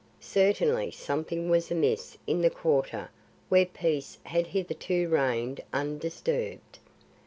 Certainly something was amiss in the quarter where peace had hitherto reigned undisturbed.